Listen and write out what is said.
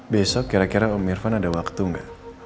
besok kira kira om irfan ada waktu enggak